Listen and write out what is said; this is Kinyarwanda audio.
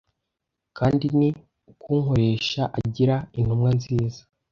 kandi ni ukunkoresha agira intumwa nziza